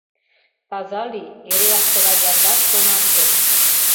Таза лий, эреак тыгай яндар чонан код!»